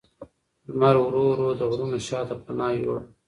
لمر ورو ورو د غرونو شا ته پناه یووړه